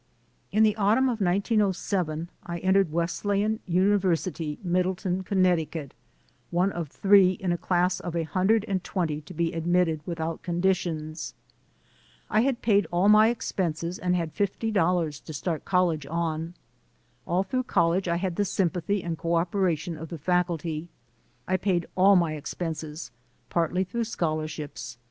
In the autumn of 1907 I entered Wesleyan Uni versity, Middletown, Connecticut, one of three in a class of a hundred and twenty to be admitted without conditions. I had paid all my expenses and had $50 to start college on. All through college I had the sympathy and cooperation of the faculty. I paid all my expenses, partly through scholarships.